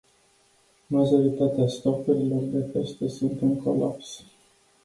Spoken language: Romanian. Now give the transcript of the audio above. Majoritatea stocurilor de pește sunt în colaps.